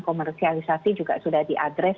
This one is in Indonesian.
komersialisasi juga sudah diadres